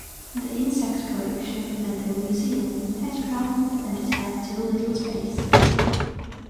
The insect collection at the museum had grown and it had too little space.